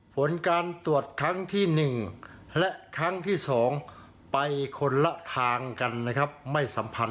ผลการตรวจครั้งที่๑